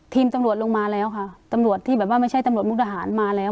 ตำรวจลงมาแล้วค่ะตำรวจที่แบบว่าไม่ใช่ตำรวจมุกดาหารมาแล้ว